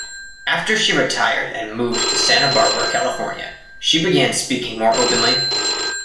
After she retired and moved to Santa Barbara, California, she began speaking more openly.